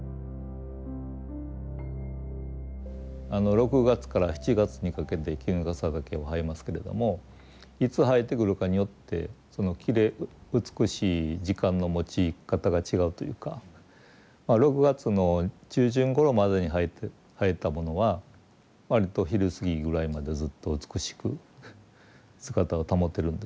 ６月から７月にかけてキヌガサダケは生えますけれどもいつ生えてくるかによってその美しい時間のもち方が違うというかまあ６月の中旬ごろまでに生えたものは割と昼過ぎぐらいまでずっと美しく姿を保てるんですよね。